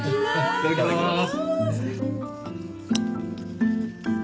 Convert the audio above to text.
いただきまーす！